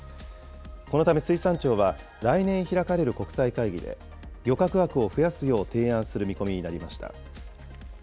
このため水産庁は、来年開かれる国際会議で、漁獲枠を増やすよう提案する見込みになりました。